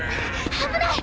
危ない！